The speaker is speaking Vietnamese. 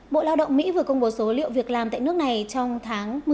bộ lao động mỹ vừa công bố số liệu việc làm tại nước này trong tháng một mươi